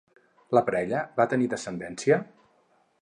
La parella va tenir descendència?